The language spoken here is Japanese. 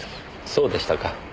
そうでしたか。